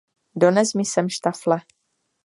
Dones mi sem štafle.